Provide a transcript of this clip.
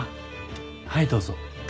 はいどうぞ。